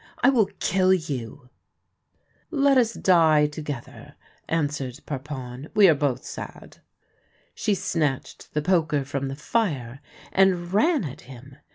" I will kill you !"" Let us die together," answered Parpon ;" we are both sad." She snatched the poker from the fire, and ran at him.